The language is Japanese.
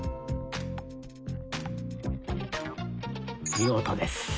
見事です。